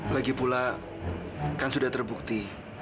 lagi pula kan sudah terbukti